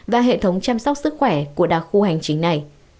và hệ thống chăm sóc sức khỏe của đặc khu hành chính này